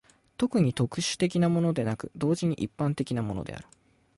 単に特殊的なものでなく、同時に一般的なものである。